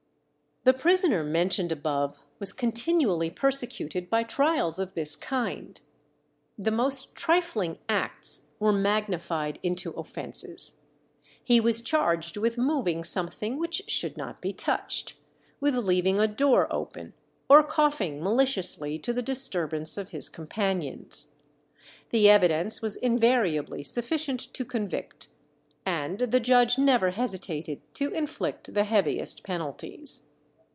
The prisoner mentioned above was continually persecuted by trials of this kind. The most trifling acts were magnified into offences. He was charged with moving something which should not be touched, with leaving a door open, or coughing maliciously to the disturbance of his companions. The evidence was invariably sufficient to convict, and the judge never hesitated to inflict the heaviest penalties.